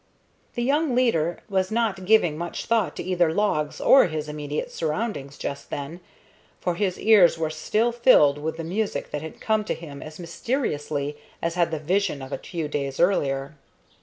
The young leader was not giving much thought to either logs or his immediate surroundings just then, for his ears were still filled with the music that had come to him as mysteriously as had the vision of a few days earlier.